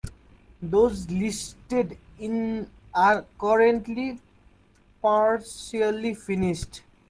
Those listed in are currently partially finished.